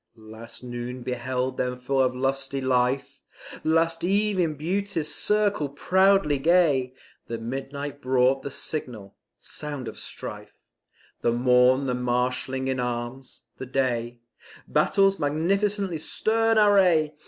Last noon beheld them full of lusty life, Last eve in Beauty's circle proudly gay, The midnight brought the signal sound of strife, The morn the marshalling in arms, the day Battle's magnificently stern array!